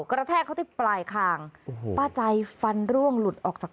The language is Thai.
กระแทกเขาที่ปลายคางป้าใจฟันร่วงหลุดออกจากปาก